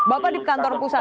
bapak di kantor pusat